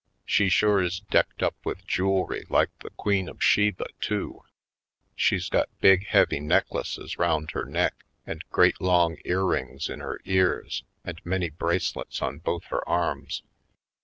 She sure is decked up with jewelry like the Queen of Sheba, too. She's got big heavy necklaces round her neck and great long ear rings in her ears and many brace lets on both her arms.